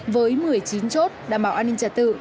với một mươi chín chốt đảm bảo an ninh trật tự